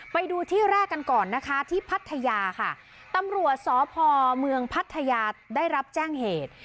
ไปดูที่แรกกันก่อนนะคะที่พัทยาค่ะตำรวจสพเมืองพัทยาได้รับแจ้งเหตุ